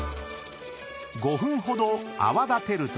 ［５分ほど泡立てると］